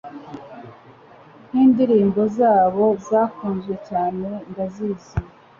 nk'indirimbo zabo zakunzwe cyane ndazizi